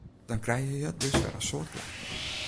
Dan krije je dus wer in soad klachten.